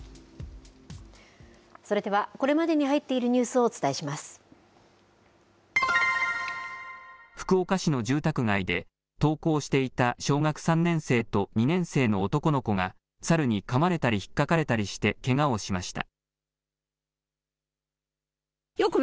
それでは、これまでに入っているニュースを福岡市の住宅街で登校していた小学３年生と２年生の男の子が猿にかまれたりひっかかれたりしてけがをしました。